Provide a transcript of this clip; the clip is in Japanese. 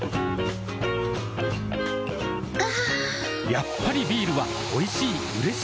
やっぱりビールはおいしい、うれしい。